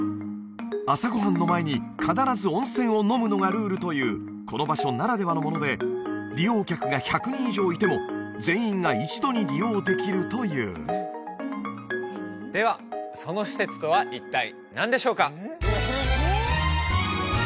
朝ご飯の前に必ず温泉を飲むのがルールというこの場所ならではのもので利用客が１００人以上いても全員が一度に利用できるというではその施設とは一体何でしょうか？